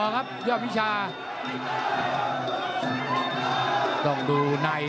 ครูนี่